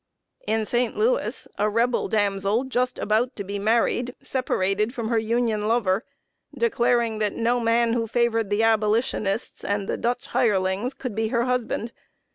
In St. Louis, a Rebel damsel, just about to be married, separated from her Union lover, declaring that no man who favored the Abolitionists and the "Dutch hirelings" could be her husband.